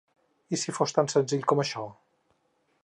I si fos tan senzill com això?